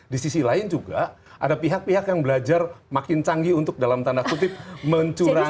di sisi lain juga ada pihak pihak yang belajar makin canggih untuk dalam tanda kutip mencurangi